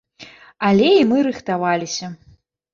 Але і мы рыхтаваліся.